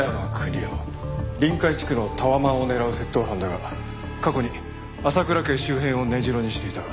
臨海地区のタワマンを狙う窃盗犯だが過去に浅倉家周辺を根城にしていた。